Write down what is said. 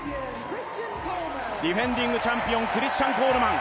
ディフェンディングチャンピオン、クリスチャン・コールマン。